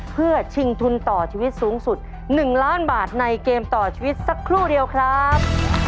เพื่อชิงทุนต่อชีวิตสูงสุด๑ล้านบาทในเกมต่อชีวิตสักครู่เดียวครับ